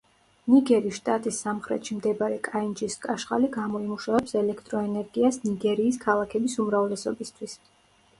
ნიგერის შტატის სამხრეთში მდებარე კაინჯის კაშხალი გამოიმუშავებს ელექტროენერგიას ნიგერიის ქალაქების უმრავლესობისთვის.